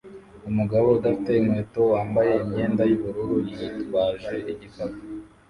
Umugabo udafite inkweto wambaye imyenda yubururu yitwaje igikapu